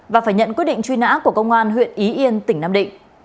và phải nhận quyết định truy nã của công an huyện ý yên tỉnh nam định